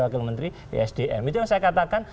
wakil menteri esdm itu yang saya katakan